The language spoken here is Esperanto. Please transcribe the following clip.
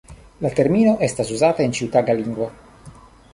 La termino estas uzata en ĉiutaga lingvo.